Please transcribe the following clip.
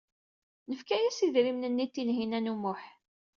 Nefka-as idrimen-nni i Tinhinan u Muḥ.